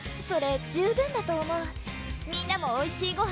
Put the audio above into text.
それ十分だと思うみんなもおいしい